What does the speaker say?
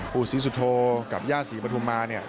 ปู่ศรีสุโธกับย่าศรีปฐุมมาเนี่ย